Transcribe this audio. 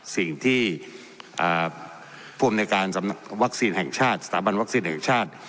สิ่งที่ผู้มนุยการสถาบันวัคซีนแห่งชาติ